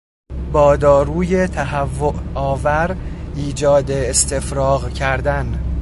با داروی تهوع آور ایجاد استفراغ کردن